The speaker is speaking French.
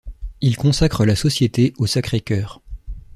Il consacre la Société au Sacré-Cœur.